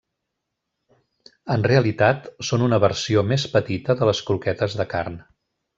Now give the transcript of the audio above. En realitat, són una versió més petita de les croquetes de carn.